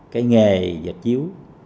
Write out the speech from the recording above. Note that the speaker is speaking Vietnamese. cái nghề dịch chiếu